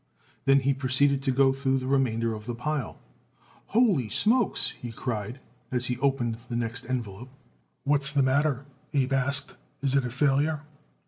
Then he proceeded to go through the remainder of the pile. "Holy smokes!" he cried, as he opened the next envelope. "What's the matter?" Abe asked. "Is it a failure?"